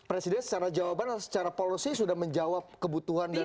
presiden secara jawaban atau secara polosi sudah menjawab kebutuhan dan persatuan